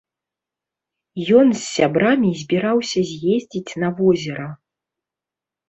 Ён з сябрамі збіраўся з'ездзіць на возера.